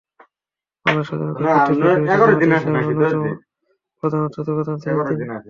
বাংলাদেশের স্বাধীনতার প্রত্যক্ষ বিরোধী জামায়াতে ইসলামীর অন্যতম প্রধান অর্থ জোগানদাতাও ছিলেন তিনি।